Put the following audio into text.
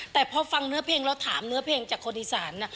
แต่พอฟังเนื้อเพลงเราถามเนื้อเพลงจากคนอีสาน